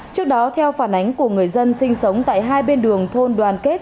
trước đó theo phản ánh của người dân sinh sống tại hai bên đường thôn đoàn kết